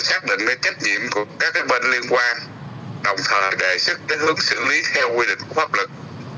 xác định cái trách nhiệm của các bên liên quan đồng thời đề xuất cái hướng xử lý theo quy định của pháp lực